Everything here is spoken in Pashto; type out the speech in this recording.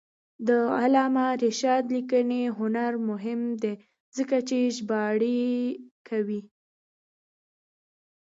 د علامه رشاد لیکنی هنر مهم دی ځکه چې ژباړې کوي.